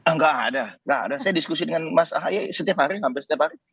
enggak ada nggak ada saya diskusi dengan mas ahaye setiap hari hampir setiap hari